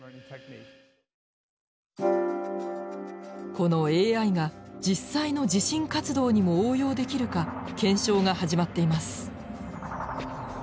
このＡＩが実際の地震活動にも応用できるか検証が始まっています。